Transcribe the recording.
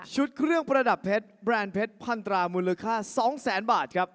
เครื่องประดับเพชรแบรนด์เพชรพันตรามูลค่า๒แสนบาทครับ